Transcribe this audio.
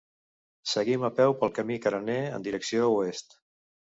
Seguim a peu pel camí carener en direcció oest.